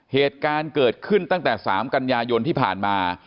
เหตุการณ์เกิดขึ้นตั้งแต่๓กันยายนที่ผ่านมา